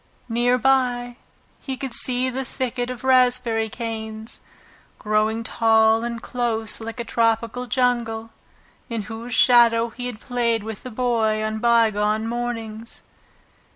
Near by he could see the thicket of raspberry canes, growing tall and close like a tropical jungle, in whose shadow he had played with the Boy on bygone mornings.